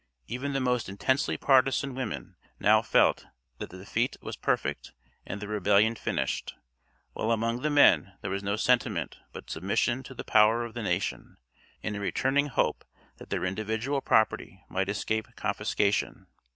Even the most intensely partisan women now felt that the defeat was perfect and the rebellion finished, while among the men there was no sentiment but submission to the power of the nation, and a returning hope that their individual property might escape confiscation.